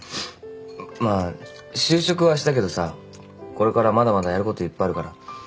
まあ就職はしたけどさこれからまだまだやることいっぱいあるから。